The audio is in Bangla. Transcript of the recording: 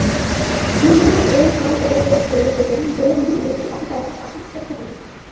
মিন্দানাও এমআইএলএফের এবং জোলো বিদ্রোহী গোষ্ঠী আবু সায়াফের ঘাঁটি হিসেবে সুপরিচিত।